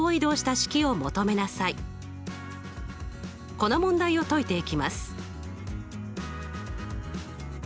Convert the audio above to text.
この問題を解いていきます。